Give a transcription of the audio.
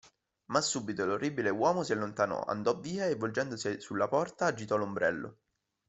Ma subito l'orribile uomo si allontanò, andò via, e volgendosi sulla porta agitò l'ombrello.